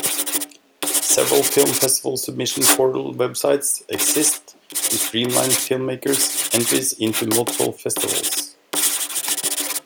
Several film festival submission portal websites exist to streamline filmmakers' entries into multiple festivals.